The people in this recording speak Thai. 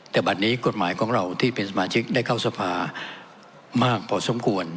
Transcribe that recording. แต่บัตรนี้กฎหมายของเราที่เป็นสมาชิกได้เข้าสภามากพอสมควร